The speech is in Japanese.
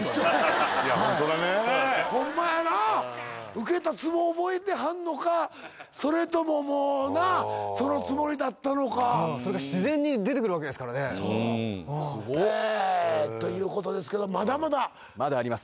ウケたツボ覚えてはんのかそれとももうなそのつもりだったのかそれが自然に出てくるわけですからねということですけどまだまだまだあります